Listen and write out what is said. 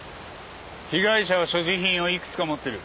被害者は所持品をいくつか持ってる。